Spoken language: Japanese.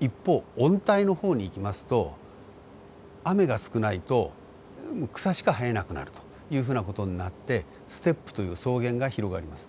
一方温帯の方にいきますと雨が少ないと草しか生えなくなるというふうな事になってステップという草原が広がります。